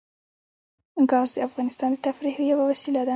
ګاز د افغانانو د تفریح یوه وسیله ده.